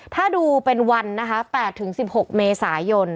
ถ้าดูเป็นวันนะคะ๘๑๖เมษายน